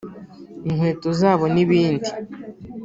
inkweto zabo n’ibindi